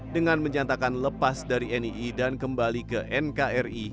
dengan menyatakan lepas dari nii dan kembali ke nkri